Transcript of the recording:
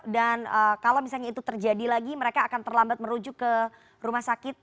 dan kalau misalnya itu terjadi lagi mereka akan terlambat merujuk ke rumah sakit